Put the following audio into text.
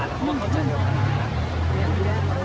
เราก็เข้าใจเยอะมาก